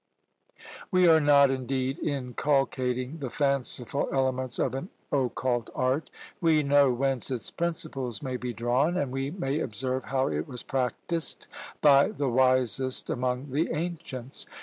We are not, indeed, inculcating the fanciful elements of an occult art. We know whence its principles may be drawn; and we may observe how it was practised by the wisest among the ancients.